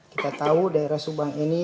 kita tahu daerah subang ini